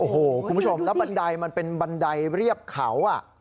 โอ้โหคุณผู้ชมแล้วบันไดมันเป็นบันไดเรียบเขา